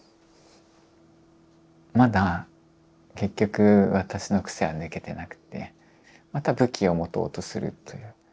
まだ結局私の癖は抜けてなくてまた武器を持とうとするという。